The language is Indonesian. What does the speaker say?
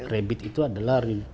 rebit itu adalah